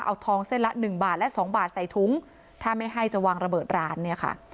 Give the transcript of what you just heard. เอาทองเส้นละหนึ่งบาทและสองบาทใส่ถุงถ้าไม่ให้จะวางระเบิดร้านเนี่ยค่ะ